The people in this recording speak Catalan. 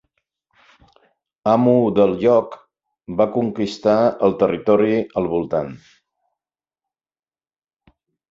Amo del lloc, va conquistar el territori al voltant.